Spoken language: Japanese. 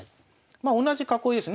まあ同じ囲いですね。